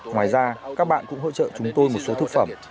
ngoài ra các bạn cũng hỗ trợ chúng tôi một số thức phẩm